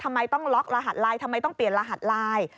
ทำไมต้องล็อกรหัสไลน์ทำไมต้องเปลี่ยนรหัสไลน์